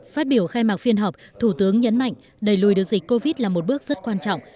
phát biểu khai mạc phiên họp thủ tướng nhấn mạnh đẩy lùi đứa dịch covid là một bước rất quan trọng